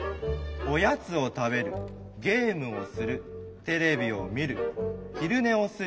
おやつをたべるゲームをするテレビをみるひるねをする。